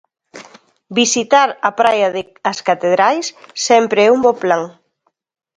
Visitar a praia de As Catedrais sempre é un bo plan.